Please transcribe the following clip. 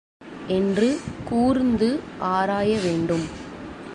என்று கூர்ந்து ஆராய வேண்டும்.